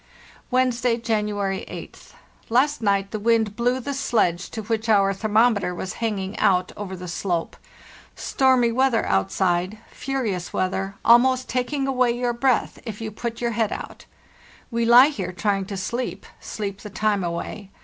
" Wednesday, January 8th. Last night the wind blew the sledge to which our thermometer was hanging out over the slope. Stormy weather outside—furious weath er, almost taking away your breath if you put your head out. We he here trying to sleep—sleep the time away.